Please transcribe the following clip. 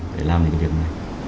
để làm những việc này